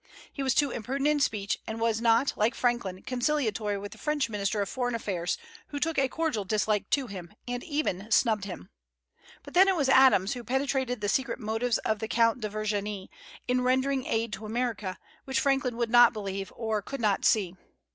He was too imprudent in speech, and was not, like Franklin, conciliatory with the French minister of Foreign Affairs, who took a cordial dislike to him, and even snubbed him. But then it was Adams who penetrated the secret motives of the Count de Vergennes in rendering aid to America, which Franklin would not believe, or could not see.